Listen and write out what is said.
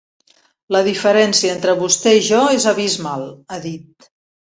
La diferència entre vostè i jo és abismal, ha dit.